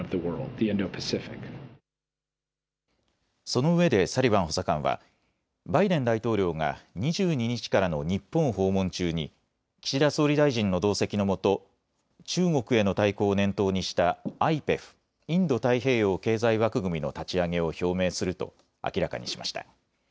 そのうえでサリバン補佐官はバイデン大統領が２２日からの日本訪問中に岸田総理大臣の同席のもと中国への対抗を念頭にしたＩＰＥＦ・インド太平洋経済枠組みの立ち上げを表明すると明らかにしました。